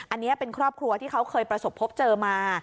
อันนี้เป็นครอบครัวที่เขาเคยประสบพบเจอมา